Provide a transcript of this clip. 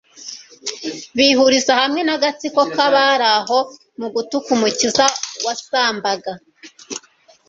bihuriza hamwe n'agatsiko k'abari aho mu gutuka Umukiza wasambaga.